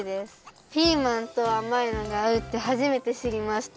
ピーマンとあまいのがあうってはじめてしりました。